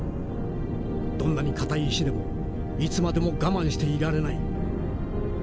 どんなに硬い石でもいつまでも我慢していられない。